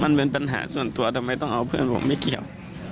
มันเป็นปัญหาส่วนตัวทำไมต้องเอาเพื่อนผมไม่เกี่ยว